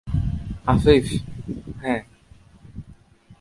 আফিফ: হ্যাঁ।